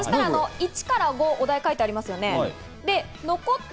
１から５、お題が書いてあります。